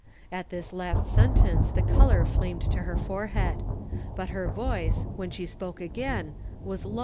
At this ast sentence the color flamed to her forfhead but her voice, when she spnk„ a^rn was 1 .